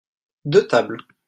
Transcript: deux tables.